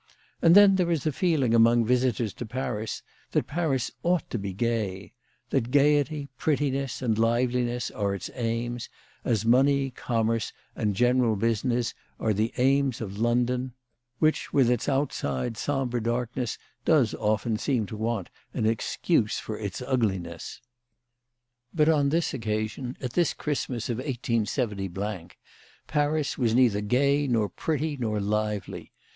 And then there is a feeling among visitors to Paris that Paris ought to be gay ; that gaiety, prettiness, and liveliness are its aims, as money, commerce, and general business are the aims of London, which with its outside sombre darkness does often seem to want an excuse for 202 CHRISTMAS AT THOMPSON HALL. its ugliness. But on this occasion, at this Christmas of 187 , Paris was neither gay nor pretty nor lively.